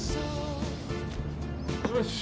よし。